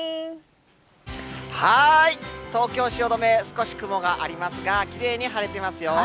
東京・汐留、少し雲がありますが、きれいに晴れてますよ。